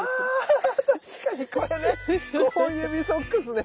あ確かにこれね５本指ソックスね！